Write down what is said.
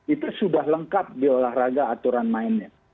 itu sudah lengkap di olahraga aturan mainnya